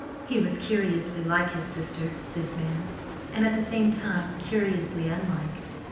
He was curiously like his sister, this man, and at the same time curiously unlike.